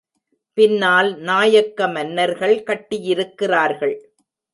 பின்னால் நாயக்க மன்னர்கள் கட்டியிருக்கிறார்கள்.